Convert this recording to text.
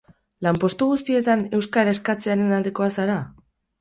Lan-postu guztietan euskara eskatzearen aldekoa zara?